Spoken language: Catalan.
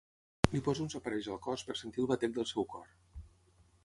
Li posa uns aparells al cos per sentir el batec del seu cor.